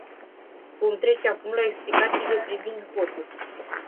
Vom trece acum la explicațiile privind votul.